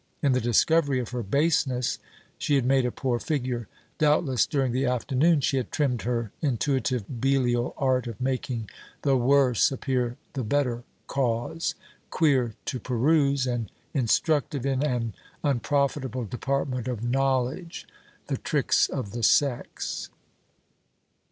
In the discovery of her baseness, she had made a poor figure. Doubtless during the afternoon she had trimmed her intuitive Belial art of making 'the worse appear the better cause': queer to peruse, and instructive in an unprofitable department of knowledge the tricks of the sex.